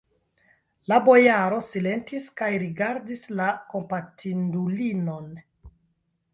La bojaro silentis kaj rigardis la kompatindulinon.